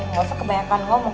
gak usah kebanyakan ngomong